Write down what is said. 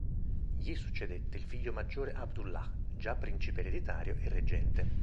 Gli succedette il figlio maggiore Abdullah, già principe ereditario e reggente.